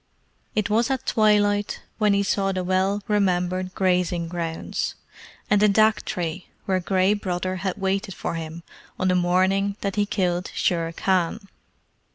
It was at twilight when he saw the well remembered grazing grounds, and the dhak tree where Gray Brother had waited for him on the morning that he killed Shere Khan.